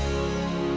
tidak ada hati